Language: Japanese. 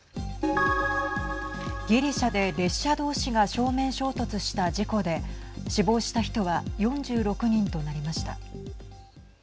ギリシャで列車同士が正面衝突した事故で死亡した人は４６人となりました。